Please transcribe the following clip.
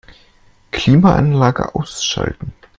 Klimaanlage ausschalten.